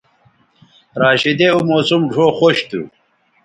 راشدے او موسم ڙھؤ خوش تھو